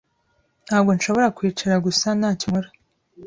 Ntabwo nshobora kwicara gusa ntacyo nkora.